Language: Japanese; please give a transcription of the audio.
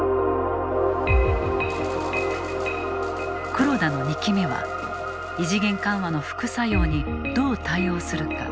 黒田の２期目は異次元緩和の副作用にどう対応するか。